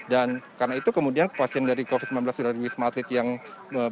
dan karena itu kemudian pasien dari covid sembilan belas sudah di wisma atlet yang berkurang